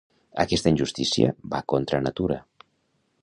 Aquesta injustícia va contra natura.